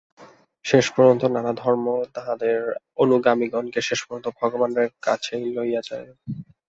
সেইরূপ নানা ধর্মও তাহাদের অনুগামিগণকে শেষ পর্যন্ত ভগবানের কাছেই লইয়া যায়।